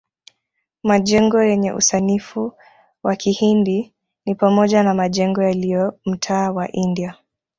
Majengo yenye usanifu wa kihindi ni pamoja na majengo yaliyo mtaa wa India